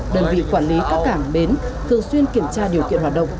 đơn vị quản lý các cảng bến thường xuyên kiểm tra điều kiện hoạt động